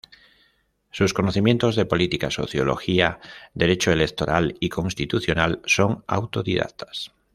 Sus conocimientos de política, sociología, derecho electoral y constitucional, son autodidactas.